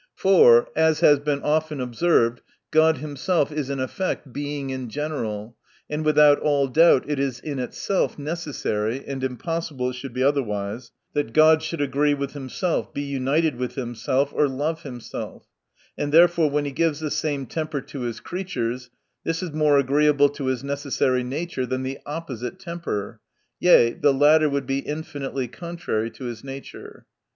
For, as has been often observed, God himself is in effect Being in general ; and without all doubt it is in itself full necessary, and impossible it should be otherwise, that God should agree with himself, be united with himself or love himself: and therefore, when he gives the same temper to his creatures, this is more agreeable to his necessary nature, than the opposite temper : yea, the latter would be infinitely contrary to his nature.